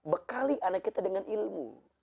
bekali anak kita dengan ilmu